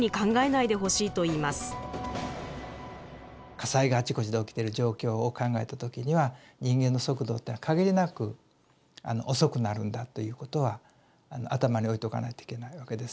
火災があちこちで起きてる状況を考えた時には人間の速度っていうのは限りなく遅くなるんだということは頭に置いとかないといけないわけです。